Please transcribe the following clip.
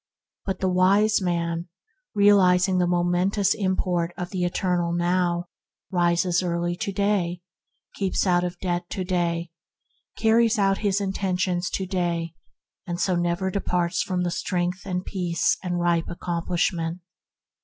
But the wise man, realizing the momentous import of the Eternal Now, rises early to day; keeps out of debt to day; carries out his intentions to day; and so never departs from strength and peace and ripe accomplishment.